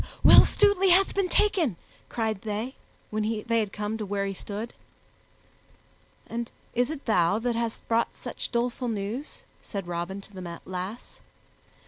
"Will Stutely hath been taken," cried they, when they had come to where he stood. "And is it thou that hast brought such doleful news?" said Robin to the lass.